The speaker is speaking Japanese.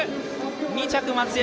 ２着、松山。